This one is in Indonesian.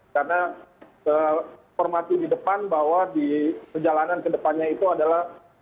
karena informasi di depan bahwa di perjalanan ke depannya itu adalah